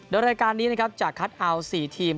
โดยรายการนี้นะครับจะคัดเอา๔ทีม